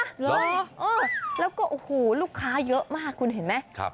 เหรออ้าวแล้วก็หูยลูกค้าเยอะมากคุณเห็นไหมครับ